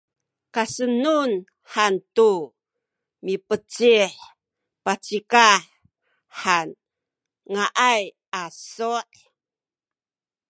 kasenun hantu mipecih pacikah han ngaay asu’